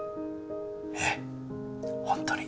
ええ本当に。